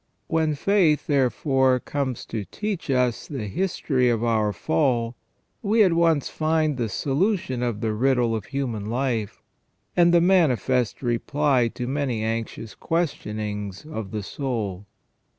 When faith, therefore, comes to teach us the history of our fall, we at once find the solution of the riddle of human life, and the manifest reply to many anxious questionings of the soul.